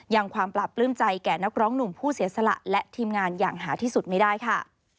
ยังความปราบปลื้มใจแก่นักร้องหนุ่มผู้เสียสละและทีมงานอย่างหาที่สุดไม่ได้ค่ะ